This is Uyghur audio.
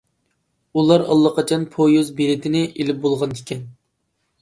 ئۇلار ئاللىقاچان پويىز بېلىتىنى ئېلىپ بولغان ئىكەن.